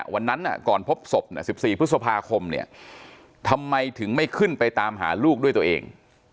วันนั้นก่อนพบศพ๑๔พฤษภาคมเนี่ยทำไมถึงไม่ขึ้นไปตามหาลูกด้วยตัวเอง